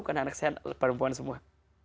karena anak saya perempuan semua